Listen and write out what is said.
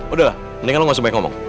udah mendingan lu gak sampai ngomong